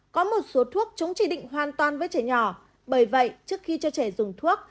có một số thuốc chúng chỉ định hoàn toàn với trẻ nhỏ bởi vậy trước khi cho trẻ dùng thuốc